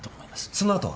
そのあとは？